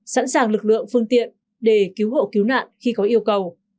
sẵn sàng lực lượng phương tiện để cứu hộ cứu nạn khi có yêu cầu